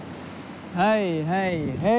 はいはいはい。